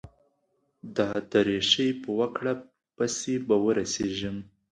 د درېشۍ په وکړه پسې به ورسېږم.